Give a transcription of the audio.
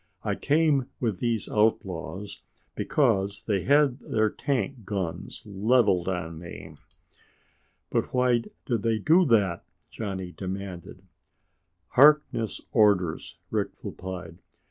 I came with these outlaws because they had their tank guns leveled on me." "But why did they do that?" Johnny demanded. "Harkness' orders," Rick replied.